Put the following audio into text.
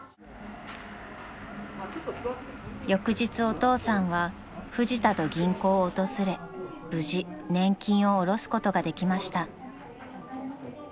［翌日お父さんはフジタと銀行を訪れ無事年金を下ろすことができました］